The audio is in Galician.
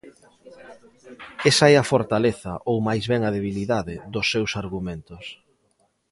Esa é a fortaleza, ou máis ben a debilidade, dos seus argumentos.